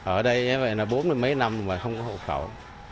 ở đây vậy là bốn mươi mấy năm mà không có hộ khẩu